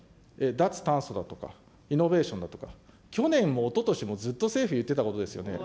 脱炭素だとか、イノベーションだとか、去年もおととしもずっと政府言ってたことですよね。